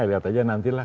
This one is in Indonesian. lihat aja nantilah